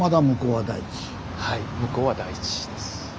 はい向こうは台地です。